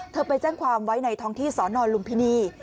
ไปแจ้งความไว้ในท้องที่สอนอนลุมพินี